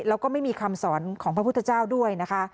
แล้วก็ไม่มีคำสอนของพระพุทธเจ้าด้วยนะคะ